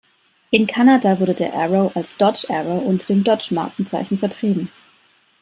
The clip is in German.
In Kanada wurde der Arrow als Dodge Arrow unter dem Dodge-Markenzeichen vertrieben.